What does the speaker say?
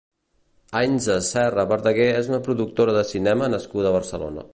Aintza Serra Verdaguer és una productora de cinema nascuda a Barcelona.